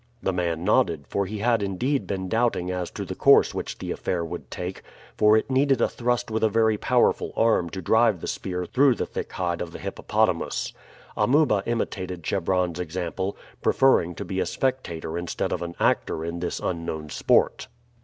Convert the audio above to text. The man nodded, for he had indeed been doubting as to the course which the affair would take, for it needed a thrust with a very powerful arm to drive the spear through the thick hide of the hippopotamus. Amuba imitated Chebron's example, preferring to be a spectator instead of an actor in this unknown sport.